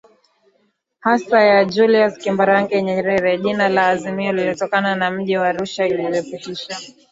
hasa ya Julius Kambarage NyerereJina la azimio linatokana na mji wa Arusha lilipitishwa